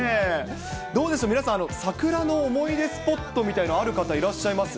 どうでしょう、皆さん、桜の思い出スポットみたいなのある方いらっしゃいます？